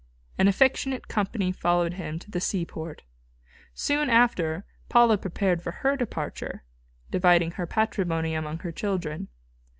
An affectionate company followed him to the seaport. Soon after Paula prepared for her departure, dividing her patrimony among her children.